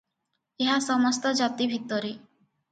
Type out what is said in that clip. ଏହା ସମସ୍ତ ଜାତି ଭିତରେ ।